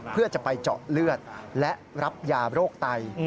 เพื่อจะไปเจาะเลือดและรับยาโรคไต